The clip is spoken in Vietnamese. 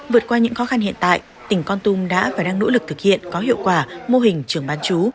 vượt qua những khó khăn hiện tại tỉnh con tum đã và đang nỗ lực thực hiện có hiệu quả mô hình trường bán chú